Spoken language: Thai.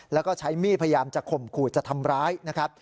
แล้วก็ใช้มีดพยายามจะข่มขู่จะทำร้ายนะครับ